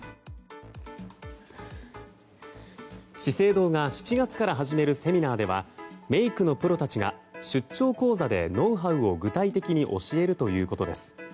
資生堂が７月から始めるセミナーではメイクのプロたちが出張講座でノウハウを具体的に教えるということです。